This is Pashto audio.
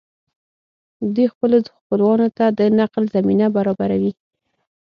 دوی خپلو خپلوانو ته د نقل زمینه برابروي